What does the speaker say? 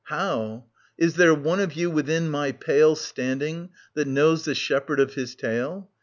How ?— Is there one of you within my pale Standing, that knows the shepherd of his tale